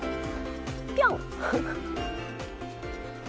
ピョン！